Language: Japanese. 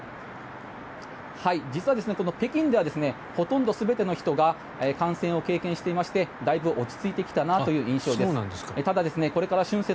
実はこの北京ではほとんど全ての人が感染を経験していましてだいぶ落ち着いてきたなという印象です。